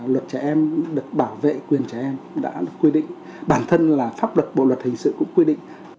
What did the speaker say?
luật trẻ em được bảo vệ quyền trẻ em đã được quy định bản thân là pháp luật bộ luật hình sự cũng quy định